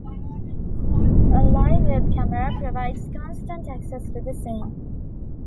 A live web camera provides constant access to the scene.